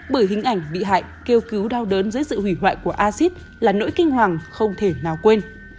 bởi hình ảnh bị hại kêu cứu đau đớn dưới sự hủy hoại của acid là nỗi kinh hoàng không thể nào quên